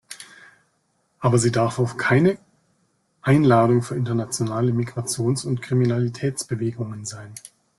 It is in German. Aber sie darf auch keine Einladung für internationale Migrations- und Kriminalitätsbewegungen sein.